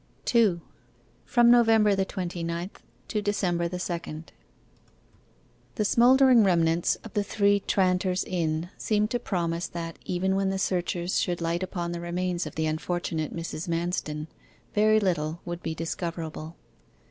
2. FROM NOVEMBER THE TWENTY NINTH TO DECEMBER THE SECOND The smouldering remnants of the Three Tranters Inn seemed to promise that, even when the searchers should light upon the remains of the unfortunate Mrs. Manston, very little would be discoverable.